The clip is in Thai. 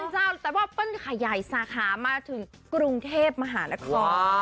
เจ้าแต่ว่าเปิ้ลขยายสาขามาถึงกรุงเทพมหานคร